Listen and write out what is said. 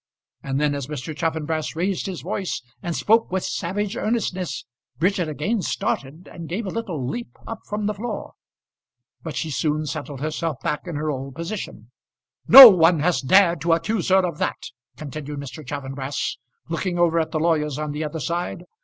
And then, as Mr. Chaffanbrass raised his voice, and spoke with savage earnestness, Bridget again started, and gave a little leap up from the floor. But she soon settled herself back in her old position. "No one has dared to accuse her of that," continued Mr. Chaffanbrass, looking over at the lawyers on the other side.